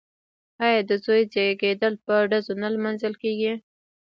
آیا د زوی زیږیدل په ډزو نه لمانځل کیږي؟